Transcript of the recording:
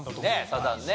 サザンね。